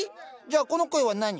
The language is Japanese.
じゃあこの声は何？